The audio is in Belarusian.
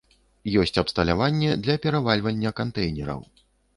Ёсць абсталяванне для перавальвання кантэйнераў.